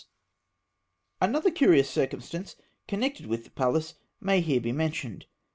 * Another curious circumstance connected with the Pallas may be here mentioned.